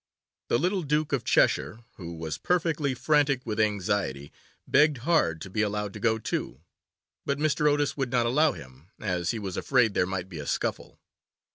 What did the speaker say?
The little Duke of Cheshire, who was perfectly frantic with anxiety, begged hard to be allowed to go too, but Mr. Otis would not allow him, as he was afraid there might be a scuffle.